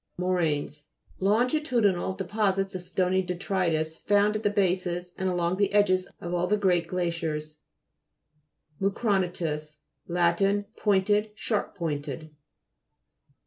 MORAI'NES Longitudinal deposits of stony detritus found at the bases, and along the edges of all the great glaciers (p. 131). MOSASAU'RUS (p. 75). MUCRONA'TUS Lat. Pointed, sharp pointed.